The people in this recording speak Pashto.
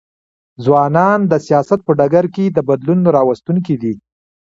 ځوانان د سیاست په ډګر کي د بدلون راوستونکي دي.